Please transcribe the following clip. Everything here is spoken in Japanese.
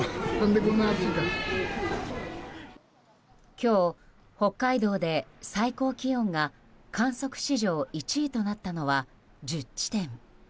今日、北海道で最高気温が観測史上１位となったのは１０地点。